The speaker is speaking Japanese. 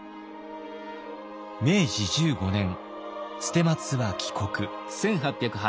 明治１５年捨松は帰国。